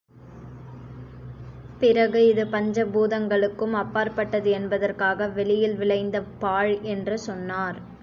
பிறகு இது பஞ்ச பூதங்களுக்கும் அப்பாற்பட்டது என்பதற்காக, வெளியில் விளைந்த பாழ் என்று சொன்னார்.